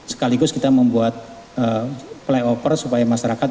sekaligus kita membuat play over supaya masyarakat